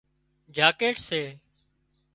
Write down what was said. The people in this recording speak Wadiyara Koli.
جاڪيٽ سي